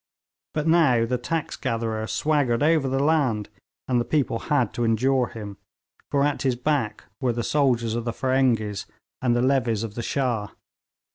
But now the tax gatherer swaggered over the land, and the people had to endure him, for at his back were the soldiers of the Feringhees and the levies of the Shah.